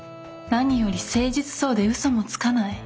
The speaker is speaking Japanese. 何より誠実そうで嘘もつかない。